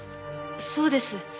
そうです。